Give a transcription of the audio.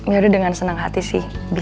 yaudah dengan senang hati sih bisa